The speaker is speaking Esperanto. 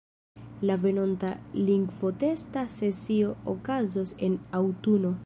La venonta lingvotesta sesio okazos en aŭtuno.